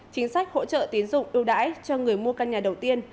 chính sách hỗ trợ tiến dụng yêu đãi cho người mua căn nhà đầu tiên